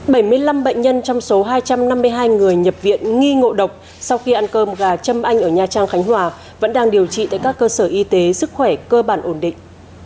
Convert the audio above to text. bảy mươi năm bệnh nhân trong số hai trăm năm mươi hai người nhập viện nghi ngộ độc sau khi ăn cơm gà châm anh ở nha trang khánh hòa vẫn đang điều trị tại các cơ sở y tế sức khỏe cơ bản ổn định